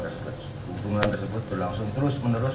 hubungan tersebut berlangsung terus menerus